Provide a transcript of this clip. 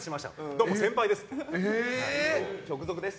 どうも、先輩です！って。